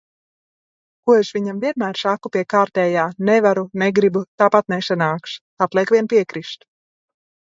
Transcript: Ko es viņam vienmēr saku pie kārtējā "nevaru, negribu, tāpat nesanāks". Atliek vien piekrist.